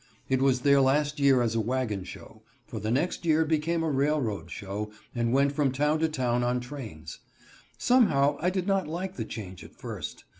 It was their last year as a wagon show, for the next year it became a railroad show, and went from town to town on trains. Somehow I did not like the change at first.